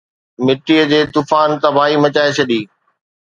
مٽيءَ جي طوفان تباهي مچائي ڇڏي